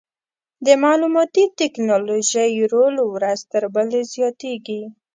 د معلوماتي ټکنالوژۍ رول ورځ تر بلې زیاتېږي.